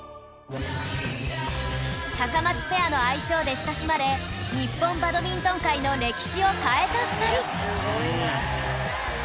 タカマツペアの愛称で親しまれ日本バドミントン界の歴史を変えた２人